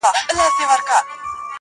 زه خو اوس هم يم هغه کس راپسې وبه ژاړې~